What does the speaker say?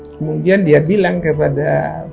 kemudian dia bilang kepada